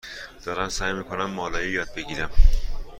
دارم سعی می کنم مالایی یاد بگیرم.